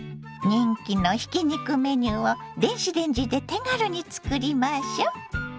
人気のひき肉メニューを電子レンジで手軽に作りましょ。